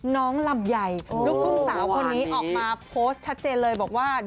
น้องลำใหญ่ลูกคุ้มสาวคนนี้ออกมาโพสต์ชัดเจนเลยบอกว่า